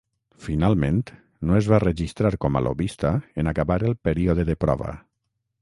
Finalment, no es va registrar com a lobbista en acabar el període de prova.